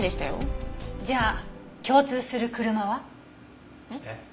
じゃあ共通する車は？えっ？